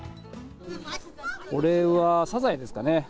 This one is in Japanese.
これはサザエですかね。